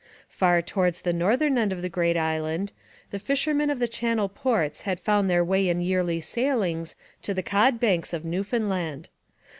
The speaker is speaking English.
Far towards the northern end of the great island, the fishermen of the Channel ports had found their way in yearly sailings to the cod banks of Newfoundland.